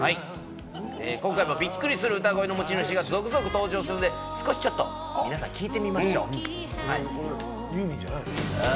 今回もびっくりする歌声の持ち主が続々登場するので、少しちょっと皆さん聴いてみましょう。